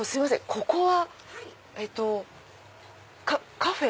ここはカフェ？